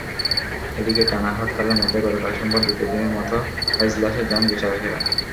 এদিকে টানা হরতালের মধ্যে গতকাল সোমবার দ্বিতীয় দিনের মতো এজলাসে যান বিচারকেরা।